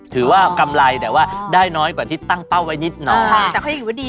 ถือกำไรแต่ว่าได้น้อยกว่าที่ตั้งเป้าไว้นิดน้อย